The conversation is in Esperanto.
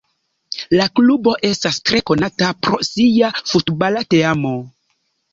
La klubo estas tre konata pro sia futbala teamo.